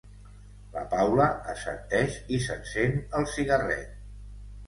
La Paula assenteix i s'encén el cigarret.